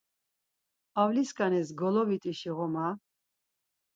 Avliskaniz golovit̆işi ğoma.